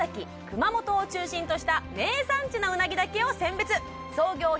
熊本を中心とした名産地のうなぎだけを選別創業